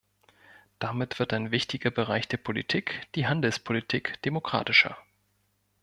Damit wird ein wichtiger Bereich der Politik die Handelspolitik demokratischer.